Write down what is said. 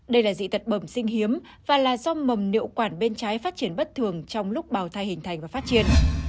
đây là dị tật bẩm sinh hiếm và là do mầm niệm quản bên trái phát triển bất thường trong lúc bào thai hình thành và phát triển